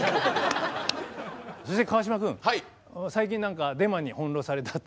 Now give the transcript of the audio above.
そして川島君最近何かデマに翻弄されたという。